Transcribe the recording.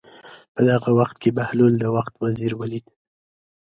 په دغه وخت کې بهلول د وخت وزیر ولید.